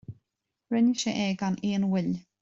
Rinne sé é gan aon mhoill.